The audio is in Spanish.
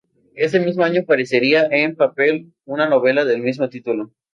Ese mismo año aparecería en papel una novela del mismo título.